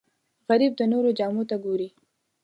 غریب د نورو جامو ته ګوري